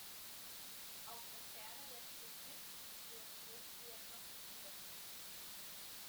Aus der Ferne lässt sich nichts seriös diagnostizieren.